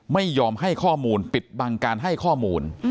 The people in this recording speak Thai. ไม่ยอมให้ข้อมูลปิดบังการให้ข้อมูล